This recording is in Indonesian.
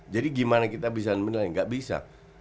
jadi gimana kita bisa menilai gak bisa